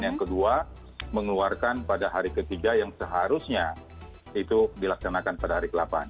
yang kedua mengeluarkan pada hari ketiga yang seharusnya itu dilaksanakan pada hari ke delapan